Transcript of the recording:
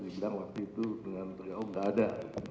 dibilang waktu itu dengan oh enggak ada